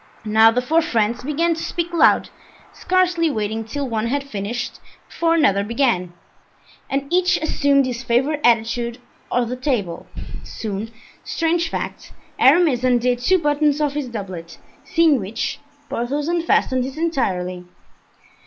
Now the four friends began to speak loud, scarcely waiting till one had finished before another began, and each assumed his favorite attitude on or at the table. Soon—strange fact—Aramis undid two buttons of his doublet, seeing which, Porthos unfastened his entirely.